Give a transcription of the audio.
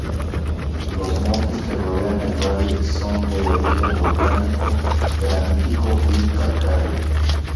Los montes que rodean el valle, son de origen volcánico, granítico y calcáreo.